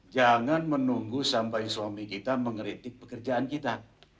jangan menunggu sampai suami kita mengeritik pekerjaan kita